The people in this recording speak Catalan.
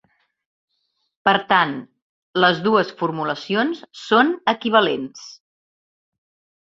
Per tant, les dues formulacions són equivalents.